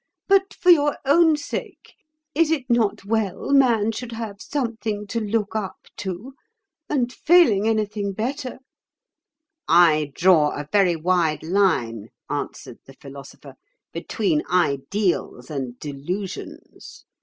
But for your own sake—is it not well man should have something to look up to, and failing anything better—?" "I draw a very wide line," answered the Philosopher, "between ideals and delusions.